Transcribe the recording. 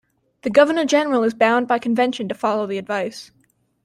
The Governor-General is bound by convention to follow the advice.